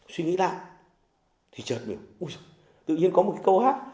suy nghĩ lại thì chợt mình ui dồi tự nhiên có một câu hát